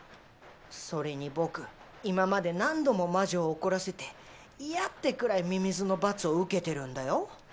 それに僕今まで何度も魔女を怒らせていやってくらいミミズの罰を受けてるんだよ。